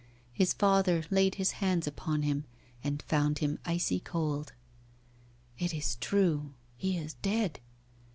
His father laid his hands upon him and found him icy cold. 'It is true, he is dead.